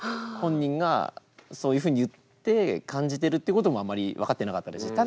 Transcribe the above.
本人がそういうふうに言って感じてるってこともあんまり分かってなかったです。